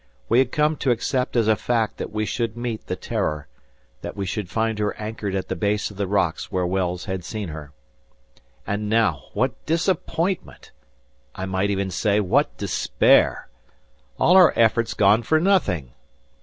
We had come to accept as a fact that we should meet the "Terror," that we should find her anchored at the base of the rocks where Wells had seen her. And now what disappointment! I might even say, what despair! All our efforts gone for nothing!